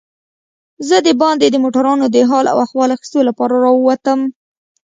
زه دباندې د موټرانو د حال و احوال اخیستو لپاره راووتم.